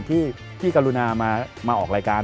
ที่พี่กรุณามาออกรายการ